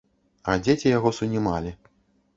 А дзеці яго сунімалі.